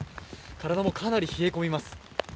体もかなり冷え込みます。